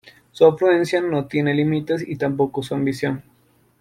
Su influencia no tiene límites y tampoco su ambición.